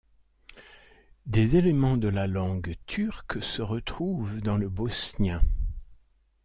Des éléments de la langue turque se retrouvent dans le bosnien.